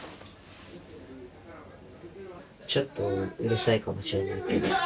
ちょっとうるさいかもしれないけど楽しいです。